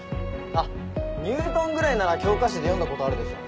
あっニュートンぐらいなら教科書で読んだことあるでしょ。